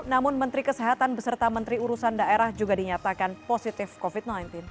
namun menteri kesehatan beserta menteri urusan daerah juga dinyatakan positif covid sembilan belas